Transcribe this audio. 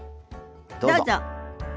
どうぞ。